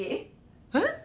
えっ？